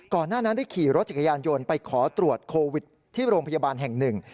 หน้านั้นได้ขี่รถจักรยานยนต์ไปขอตรวจโควิดที่โรงพยาบาลแห่งหนึ่ง